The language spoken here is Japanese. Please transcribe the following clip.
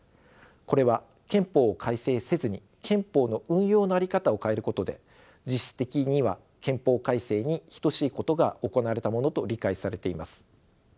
これは憲法を改正せずに憲法の運用の在り方を変えることで実質的には憲法改正に等しいことが行われたものと理解されています。